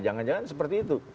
jangan jangan seperti itu